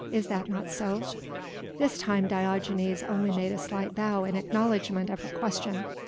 Is that not so?" This time Diogenes only made a slight bow in acknowledgment of her question.